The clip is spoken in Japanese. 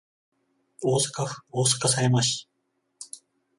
大阪府大阪狭山市